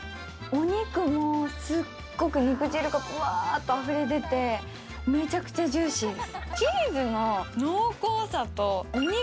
お肉もすっごく肉汁がぶわーっとあふれ出てめちゃくちゃジューシーです。